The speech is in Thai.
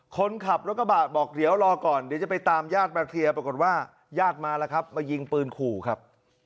คนขับรถกระบะบอกเดี๋ยวรอก่อนเดี๋ยวจะไปตามญาติมาเคลียร์ปรากฏว่าญาติมาแล้วครับมายิงปืนขู่ครับ